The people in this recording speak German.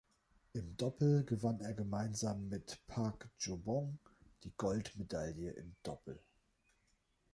Im Doppel gewann er gemeinsam mit Park Joo-bong die Goldmedaille im Doppel.